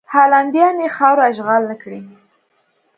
هالنډیان یې خاوره اشغال نه کړي.